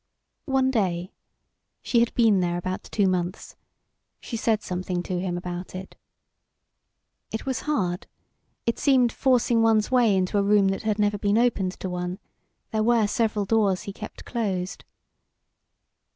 One day, she had been there about two months, she said something to him about it. It was hard; it seemed forcing one's way into a room that had never been opened to one there were several doors he kept closed.